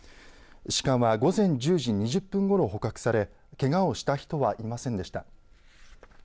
シカは午前１０時２０分ごろ捕獲されけがをした人はいませんでした。